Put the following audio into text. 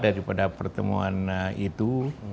daripada pertemuan itu